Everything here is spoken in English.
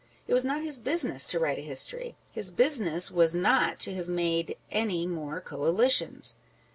It was not his business to write a history â€" his business was not to have made any more Coalitions